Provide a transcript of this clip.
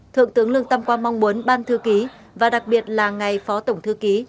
thượng tướng lương tam quang mong muốn ban thư ký và đặc biệt là ngài phó tổng thư ký